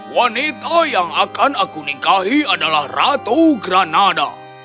wanita yang akan aku ningkahi adalah ratu granada